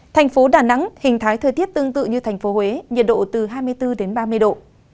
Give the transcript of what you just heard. thành phố đà nẵng hình thái thời tiết tương tự như thành phố huế nhiệt độ từ hai mươi bốn đến ba mươi độ